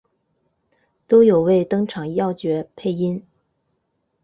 都有为登场要角配音。